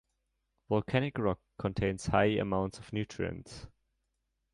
Volcanic rock contains high amounts of nutrients.